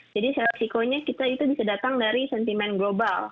jadi resikonya kita itu bisa datang dari sentimen global